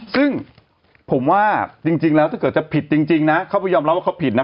ซึ่งผมว่าจริงแล้วถ้าเกิดจะผิดจริงนะเขาไปยอมรับว่าเขาผิดนะ